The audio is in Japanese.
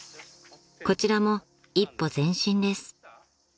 ［こちらも一歩前進です］